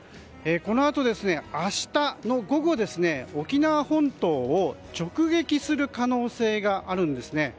このあと、明日の午後沖縄本島を直撃する可能性があるんですね。